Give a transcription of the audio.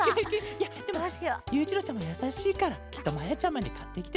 いやでもゆういちろうちゃまやさしいからきっとまやちゃまにかってきてたケロよ。